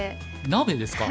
鍋ですか？